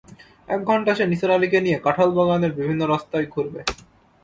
এক ঘণ্টা সে নিসার আলিকে নিয়ে কাঁঠালবাগানের বিভিন্ন রাস্তায় ঘুরবে।